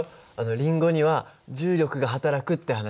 リンゴには重力がはたらくって話。